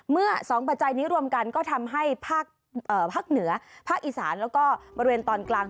เมื่อ๒ปัจจัยนี้รวมกันก็ทำให้ภาคเหนือภาคอีสานแล้วก็บริเวณตอนกลาง